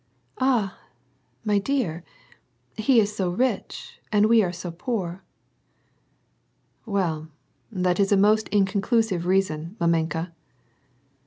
"Ah ! my dear, he is so rich and we are so poor." '' Well, that is a most inconclusiye reason, mamenka."